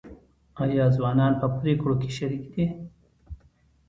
آیا ځوانان په پریکړو کې شریک دي؟